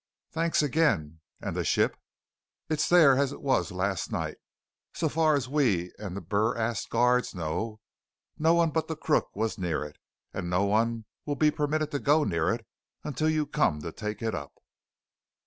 "Thanks again. And the ship?" "It's there as it was last night. So far as we and the BurAst guards know, no one but the crook was near it, and no one will be permitted to go near it until you come to take it up."